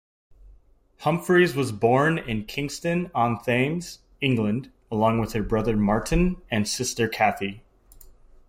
Humphreys was born in Kingston-on-Thames, England, along with her brother Martin and sister Cathy.